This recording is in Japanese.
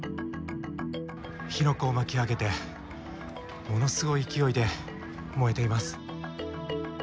火の粉を巻き上げてものすごい勢いで燃えています。